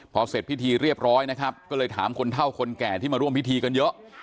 พอเสร็จพิธีเรียบร้อยนะครับก็เลยถามคนเท่าคนแก่ที่มาร่วมพิธีกันเยอะ